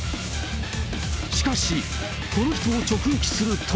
しかし、この人を直撃すると。